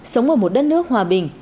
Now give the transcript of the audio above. sống ở một đất nước hòa bình